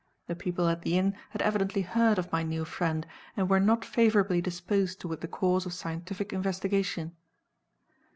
The people at the inn had evidently heard of my new friend, and were not favorably disposed toward the cause of scientific investigation.